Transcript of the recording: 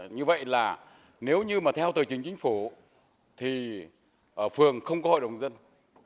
như vậy là nếu như mà theo thời trình chính phủ thì phường không có hội đồng nhân dân